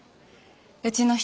うちの人